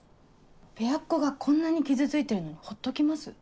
ペアっ子がこんなに傷ついてるのにほっときます？